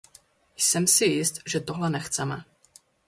Jsem si jist, že tohle nechceme.